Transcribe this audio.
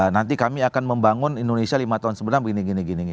nanti kami akan membangun indonesia lima tahun sebelum begini gini gini